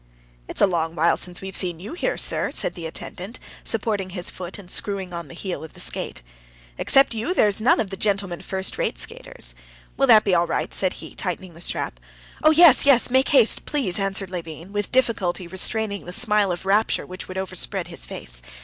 "It's a long while since we've seen you here, sir," said the attendant, supporting his foot, and screwing on the heel of the skate. "Except you, there's none of the gentlemen first rate skaters. Will that be all right?" said he, tightening the strap. "Oh, yes, yes; make haste, please," answered Levin, with difficulty restraining the smile of rapture which would overspread his face.